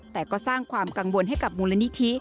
แต่ก็สร้างความกังวลให้กับมูลนิธิ